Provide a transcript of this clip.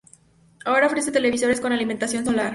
Ahora, ofrece televisores con alimentación solar.